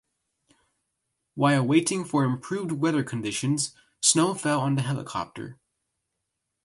While waiting for improved weather conditions, snow fell on the helicopter.